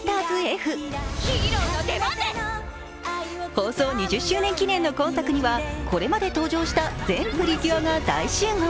放送２０周年記念の今作にはこれまで登場した全プリキュアが大集合。